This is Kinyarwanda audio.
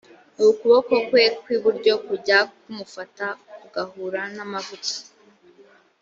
ukuboko kwe kw iburyo kujya kumufata kugahura n amavuta